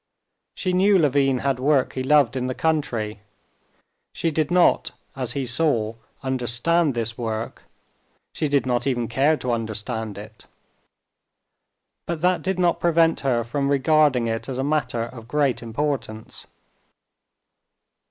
She knew Levin had work he loved in the country. She did not, as he saw, understand this work, she did not even care to understand it. But that did not prevent her from regarding it as a matter of great importance.